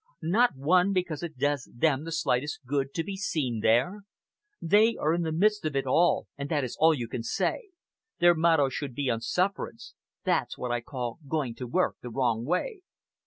Not one because it does them the slightest good to be seen there. They are there in the midst of it all, and that is all you can say. Their motto should be 'on sufferance.' That's what I call going to work the wrong way."